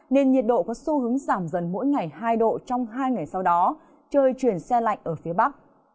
nên nhiệt độ có xu hướng giảm dần mỗi ngày hai độ trong hai ngày sau đó trời chuyển xe lạnh ở phía bắc